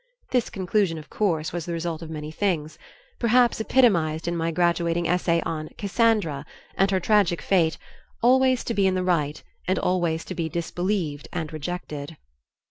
This conclusion of course was the result of many things, perhaps epitomized in my graduating essay on "Cassandra" and her tragic fate "always to be in the right, and always to be disbelieved and rejected."